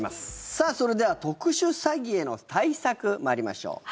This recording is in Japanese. さあ、それでは特殊詐欺への対策参りましょう。